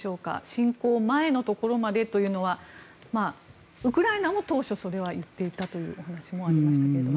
侵攻前のところまでというのはウクライナも当初、それは言っていたというお話もありましたけど。